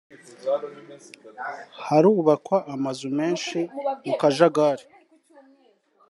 harubakwa amazu menshi mu kajagari”